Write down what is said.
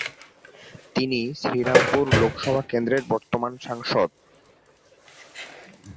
তিনি শ্রীরামপুর লোকসভা কেন্দ্রের বর্তমান সাংসদ।